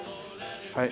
はい。